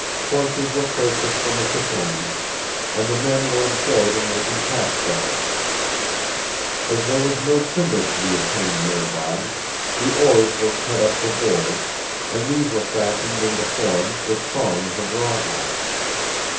Horses were purchased from the Shoshones, and the men were employed in making pack saddles. As there was no timber to be obtained near by, the oars were cut up for boards, and these were fastened into form with thongs of rawhide.